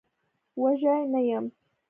وږی نه يم.